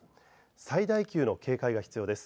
最大級の警戒が必要です。